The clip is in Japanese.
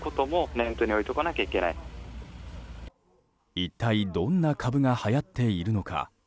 一体どんな株がはやっているのか？